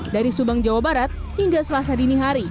dari subang jawa barat hingga selasa dinihari